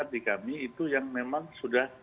di kami itu yang memang sudah